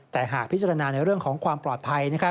แต่หากพิจารณาในเรื่องของความปลอดภัย